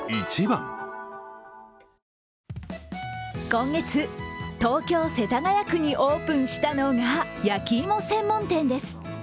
今月、東京・世田谷区にオープンしたのが焼き芋専門店です。